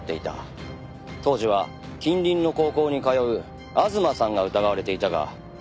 当時は近隣の高校に通う吾妻さんが疑われていたが。